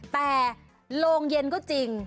แต่โรงเย็นก็จริง